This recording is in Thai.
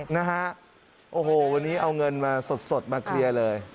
นะฮะโอ้โหวันนี้เอาเงินมาสดมาเคลียร์เลย